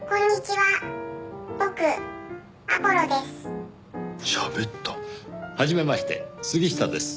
はじめまして杉下です。